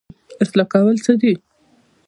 اصلاح کول څه دي؟